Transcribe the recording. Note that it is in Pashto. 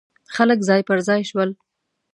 خلک ځای پر ځای شول.